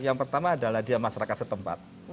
yang pertama adalah dia masyarakat setempat